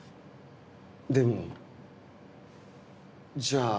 でもじゃあ。